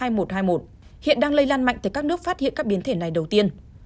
hiện đang lây lan mạnh tới các nước phát hiện các biến thể này đầu tiên